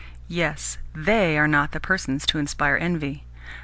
Yes, THEY are not the persons to inspire envy.